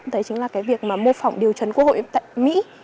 đấy chính là cái việc mà mô phỏng điều chuẩn quốc hội tại mỹ